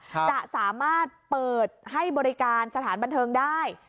จะสามารถเปิดให้บริการสถานบันเทิงได้